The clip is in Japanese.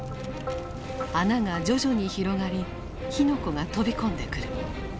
穴が徐々に広がり火の粉が飛び込んでくる。